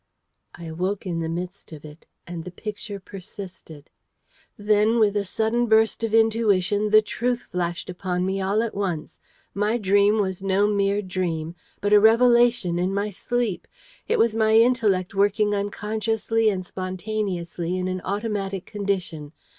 I awoke in the midst of it: and the picture persisted. Then, with a sudden burst of intuition, the truth flashed upon me all at once. My dream was no mere dream, but a revelation in my sleep. It was my intellect working unconsciously and spontaneously in an automatic condition.